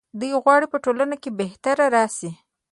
دوی غواړي په ټولنه کې بهتري راشي.